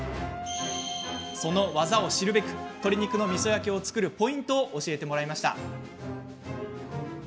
その技を知るべく鶏肉のみそ焼きを作るポイントを教えてもらいました。